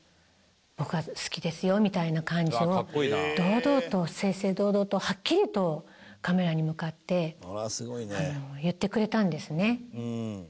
「僕は好きですよ」みたいな感じを堂々と正々堂々とはっきりとカメラに向かって言ってくれたんですね。